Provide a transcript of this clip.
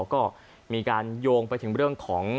ก็มีการโยงไปถึงเรื่องของ